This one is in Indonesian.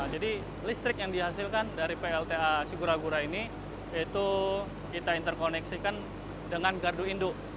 jadi listrik yang dihasilkan dari plta sigura gura ini itu kita interkoneksikan dengan gardu induk